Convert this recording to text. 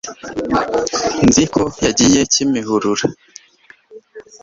nzi ko yagiye kimihurura